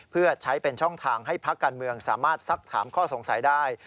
เพื่อใช้เป็นช่องทางให้พักการเมืองสามารถซักถามข้อสงสัยได้